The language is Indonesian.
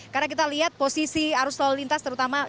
karena kita lihat posisi arus lalu lintas terutama